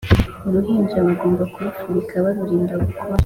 uruhinja bagomba kurufubika barurinda ubukonje